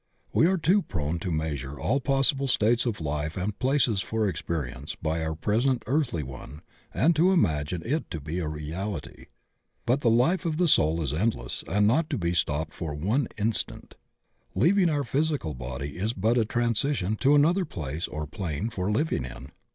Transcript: We are too prone to measure all possible states of life and places for experience by our present earthly one and to imagine it to be a reality. But the life of the soul is endless and not to be stopped for one instant. Leav ing our physical body is but a transition to another place or plane for living in.